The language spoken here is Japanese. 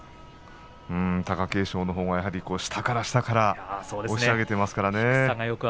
貴景勝のほうが下から下から押し上げていますからね。